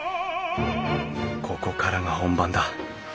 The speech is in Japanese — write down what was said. ここからが本番だ。